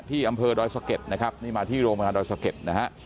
ที่อำเภอโดยศรียจนี่มาที่โรงบาลนานโดยศร้าเกียจ